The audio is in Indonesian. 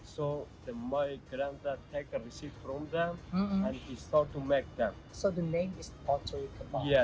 jadi kakak saya mengambil penghantaran dari mereka dan mulai membuatnya